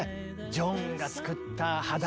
ジョンが作った派だ